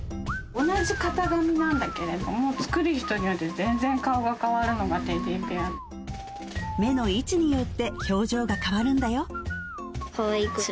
同じ型紙なんだけれども作る人によって全然顔が変わるのがテディベア目の位置によって表情が変わるんだよ